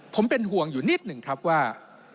ผมเป็นห่วงอยู่นิดหนึ่งครับว่า